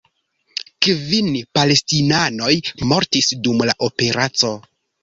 Kvin palestinanoj mortis dum la operaco.